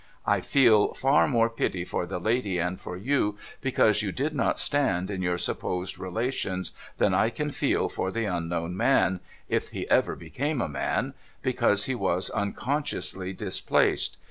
I feel far more pity for the lady and for you, because you did not stand in your supposed relations, than I can feel for the unknown man (if he ever became a man), because he was unconsciously displaced.